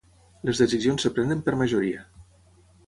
Les decisions es prenen per majoria.